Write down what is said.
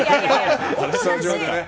スタジオでね。